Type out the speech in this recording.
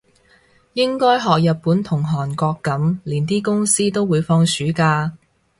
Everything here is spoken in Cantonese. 應該學日本同韓國噉，連啲公司都會放暑假